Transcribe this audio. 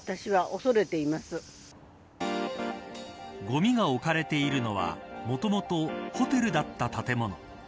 ごみが置かれているのはもともとホテルだった建物。